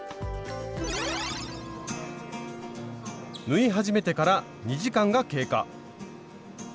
縫い始めてから２時間が経過。